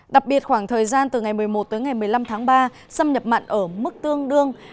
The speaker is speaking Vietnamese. đặc biệt khoảng thời gian từ ngày một mươi một tới ngày một mươi năm tháng ba xâm nhập mặn ở mức tương đương